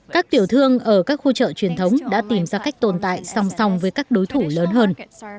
các tiểu thương ở các khu chợ truyền thống đã tìm ra cách tồn tại song song với các đối thủ lớn hơn